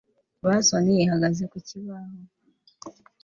Bason ihagaze ku kibaho